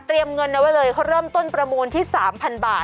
เงินเอาไว้เลยเขาเริ่มต้นประมูลที่๓๐๐บาท